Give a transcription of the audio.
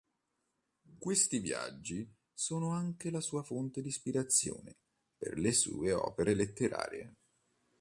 Questi viaggio sono anche la sua fonte di ispirazione per le sue opere letterarie.